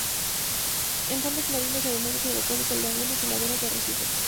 En fondos marinos arenosos y rocosos de lagunas y laderas de arrecifes.